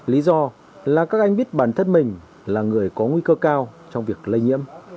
lý do là các anh biết bản thân mình là người có nguy cơ cao trong việc lây nhiễm